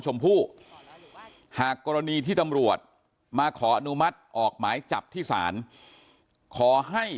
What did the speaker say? ชมพู่หากกรณีที่ตำรวจมาขออนุมัติออกหมายจับที่ศาลขอให้